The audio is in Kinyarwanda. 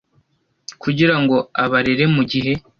kugira ngo abarere mu gihe